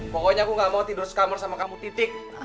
pokoknya aku gak mau tidur sekammer sama kamu titik